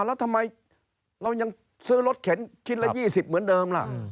แล้วทำไมเรายังซื้อรถเข็นชิ้นละ๒๐เหมือนเดิมล่ะ